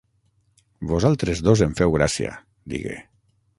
"Vosaltres dos em feu gràcia", digué.